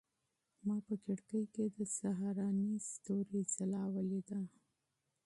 ما په کړکۍ کې د سهارني ستوري ځلا ولیده.